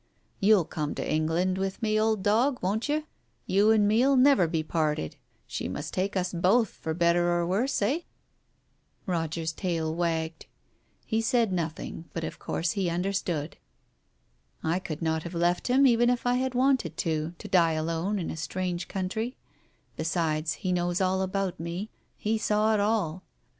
"You'll come to England with me, old dog, won't o 2 Digitized by Google 196 TALES OF THE UNEASY you ? You and me'll never be parted ; she must take us both for better or worse, eh ?" Roger's tail wagged. He said nothing, but of course he understood. I could not have left him, even if I had wanted to, to die alone in a strange country. Besides, he knows all about me. He saw it all.